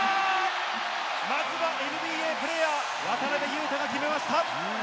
まずはＮＢＡプレーヤー渡邊雄太が決めました。